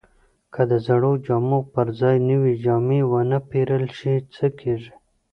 که د زړو جامو پر ځای نوې جامې ونه پیرل شي، څه کیږي؟